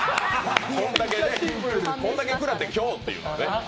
こんだけ食らって凶っていうね。